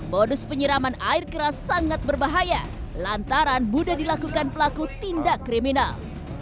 modus penyiraman air keras sangat berbahaya lantaran mudah dilakukan pelaku tindak kriminal